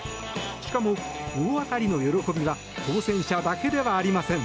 しかも大当たりの喜びは当選者だけではありません。